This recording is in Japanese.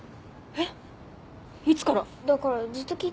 えっ？